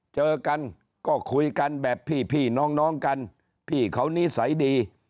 เจอกันก็คุยกันแบบพี่น้องกันพี่เขานิสัยดี